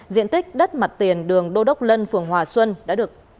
diện tích đất mặt tiền đường đô đốc lân phường hòa xuân đã được